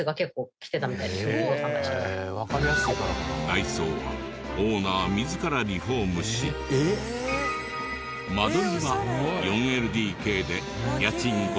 内装はオーナー自らリフォームし間取りは４ＬＤＫで家賃５万７０００円から。